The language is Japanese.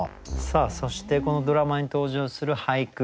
さあそしてこのドラマに登場する俳句